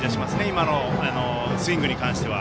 今のスイングに関しては。